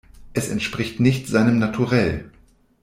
Es entspricht nicht seinem Naturell.